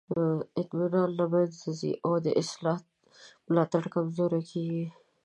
اطمینان له منځه ځي او د اصلاح ملاتړ کمزوری کیږي.